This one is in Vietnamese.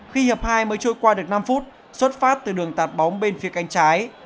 khi hợp hai mới trôi qua được năm phút xuất phát từ đường tạt bóng bên phía canh trái